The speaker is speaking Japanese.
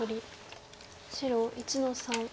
白１の三。